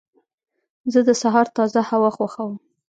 زه د سهار تازه هوا خوښوم.